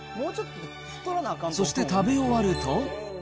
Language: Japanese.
そして食べ終わると。